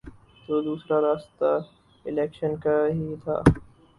تو دوسرا راستہ الیکشن کا ہی تھا۔